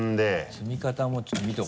積み方もちょっと見ておこう。